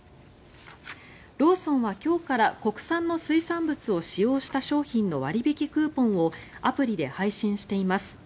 ローソンは今日から国産の水産物を使用した商品の割引クーポンをアプリで配信しています。